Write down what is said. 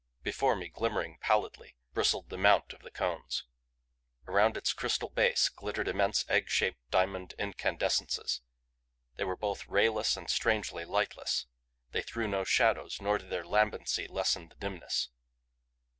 Before me, glimmering pallidly, bristled the mount of the Cones. Around its crystal base glittered immense egg shaped diamond incandescences. They were both rayless and strangely lightless; they threw no shadows nor did their lambency lessen the dimness.